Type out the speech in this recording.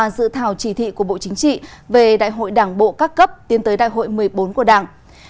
xin chào các bạn